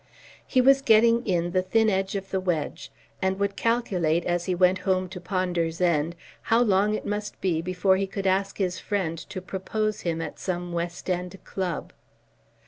He was getting in the thin edge of the wedge, and would calculate as he went home to Ponder's End how long it must be before he could ask his friend to propose him at some West End club.